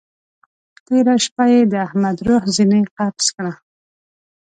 تېره شپه يې د احمد روح ځينې قبض کړه.